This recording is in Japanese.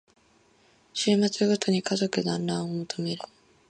週末ごとに家族だんらんを求める